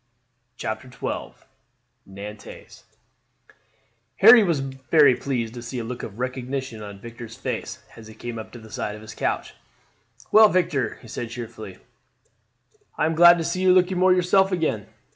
CHAPTER XII Nantes Harry was very pleased to see a look of recognition on Victor's face as he came up to the side of his couch. "Well, Victor," he said cheerfully, "I am glad to see you looking more yourself again."